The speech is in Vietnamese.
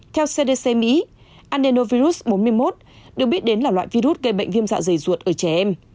theo cdc mỹ andenovirus bốn mươi một được biết đến là loại virus gây bệnh viêm dạ dày ruột ở trẻ em